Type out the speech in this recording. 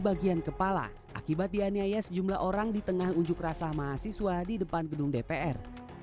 bagian kepala akibat dianyai sejumlah orang di tengah unjuk rasa mahasiswa di depan gedung dpr